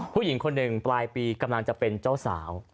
ผู้หญิงคนหนึ่งปลายปีกำลังจะเป็นเจ้าสาว